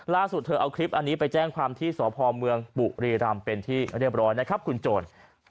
เธอเอาคลิปอันนี้ไปแจ้งความที่สพเมืองบุรีรำเป็นที่เรียบร้อยนะครับคุณโจร